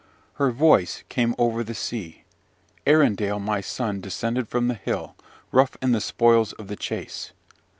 "Her voice came over the sea. Arindal, my son, descended from the hill, rough in the spoils of the chase.